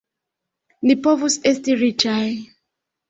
Ni povus esti riĉaj!